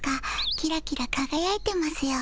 キラキラかがやいてますよ。